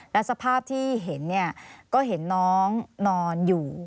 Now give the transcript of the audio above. และสภาพที่เห็นก็เห็นน้องนอนอยู่